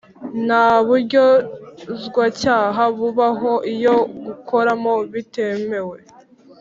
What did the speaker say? Nta buryozwacyaha bubaho iyo gukuramo bitemewe